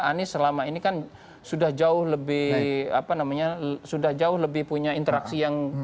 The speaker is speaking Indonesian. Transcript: anies selama ini kan sudah jauh lebih apa namanya sudah jauh lebih punya interaksi yang